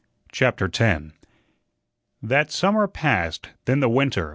CHAPTER 10 That summer passed, then the winter.